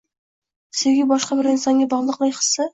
Sevgi, boshqa bir insonga bog’liqlik hissi